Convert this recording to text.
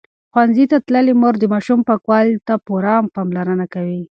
ښوونځې تللې مور د ماشوم پاکوالي ته پوره پاملرنه کوي.